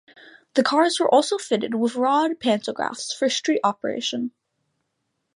The cars were also fitted with rod pantographs for street operation.